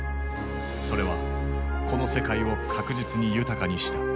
それはこの世界を確実に豊かにした。